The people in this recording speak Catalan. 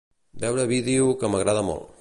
Veure vídeo que m'agrada molt.